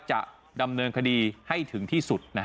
จะดำเนินคดีให้ถึงที่สุด